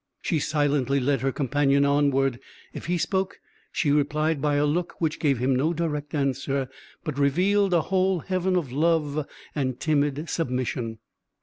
She silently led her companion onward; if he spoke, she replied by a look which gave him no direct answer, but revealed a whole heaven of love and timid submission.